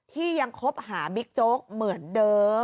ที่ยังคบหาบิ๊กโจ๊กเหมือนเดิม